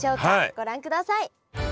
ご覧ください！